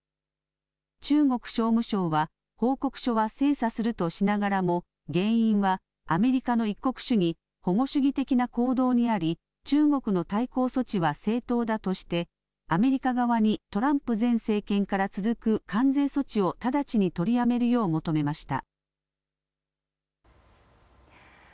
中国商務省は報告書は精査するとしながらも原因はアメリカの一国主義、保護主義的な行動にあり中国の対抗措置は正当だとしてアメリカ側にトランプ前政権から続く関税措置を直ちに取りやめるよう求めました。